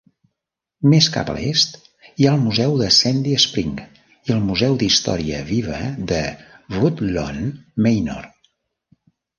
Més cap a l'est, hi ha el museu de Sandy Spring i el museu d'història viva de Woodlawn Manor.